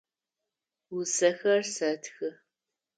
Усэхэр сэтхы.